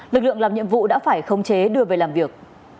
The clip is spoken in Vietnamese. lực lượng làm nhiệm vụ đã phải không chế đưa về làm việc